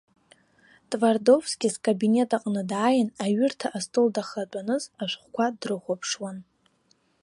Твардовски скабинет аҟны дааин, аҩырҭа астол дахатәаны ашәҟәқәа дрыхәаԥшуан.